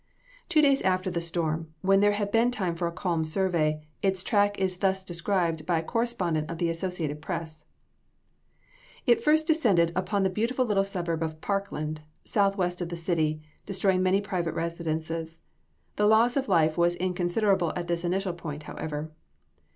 Two days after the storm, when there had been time for a calm survey, its track is thus described by a correspondent of the Associated Press: "It first descended upon the beautiful little suburb of Parkland, southwest of the city, destroying many private residences. The loss of life was inconsiderable at this initial point, however.